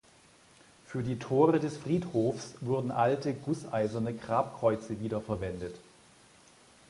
Für die Tore des Friedhofs wurden alte gusseiserne Grabkreuze wiederverwendet.